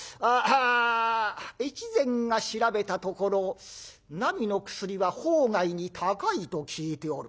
越前が調べたところなみの薬は法外に高いと聞いておる。